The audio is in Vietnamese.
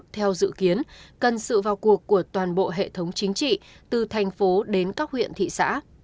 theo dự kiến cần sự vào cuộc của toàn bộ hệ thống chính trị từ thành phố đến các huyện thị xã